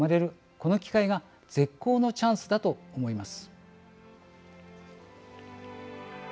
この機会が絶好のチャンスだと思います。